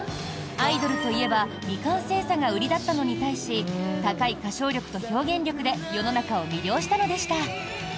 アイドルといえば未完成さが売りだったのに対し高い歌唱力と表現力で世の中を魅了したのでした。